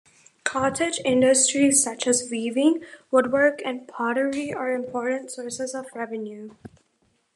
Cottage industries such as weaving, woodwork, and pottery are important sources of revenue.